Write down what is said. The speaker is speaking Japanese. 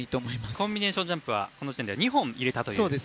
コンビネーションジャンプは２本入れたと。